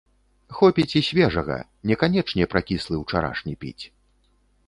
Хопіць і свежага, не канечне пракіслы ўчарашні піць.